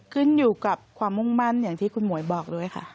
ขึ้นอยู่กับความมุ่งมั่นอย่างที่คุณหมวยบอกด้วยค่ะ